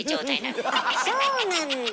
そうなんだ。